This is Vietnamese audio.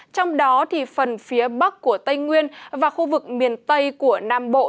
trong đó phần phía bắc của tây nguyên và khu vực miền tây của nam bộ